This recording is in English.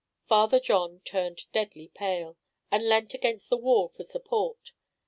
Father John turned deadly pale, and leant against the wall for support.